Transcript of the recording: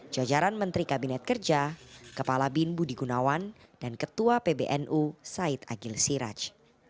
jajaran menteri kabinet kerja kepala bin budi gunawan dan ketua pbnu said agil siraj